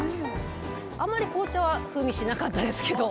あんまり紅茶は風味しなかったですけど。